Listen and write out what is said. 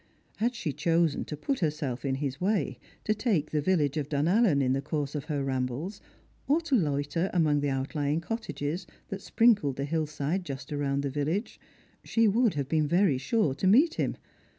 Had she chosen to put herself in his way, to take the village of Dunallen in the course of her rambles, or to loiter among the outlying cottages that sprinkled the hill side just around the village, she would have been very sure to meet him.